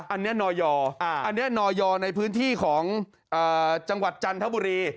อันนี้นอยอันนี้นอยในพื้นที่ของจังหวัดจันทบุรี